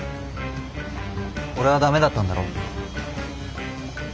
俺はダメだったんだろ。